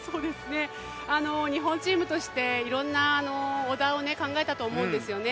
日本チームとしていろんなオーダーを考えたと思うんですよね。